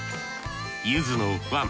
ゆずのファン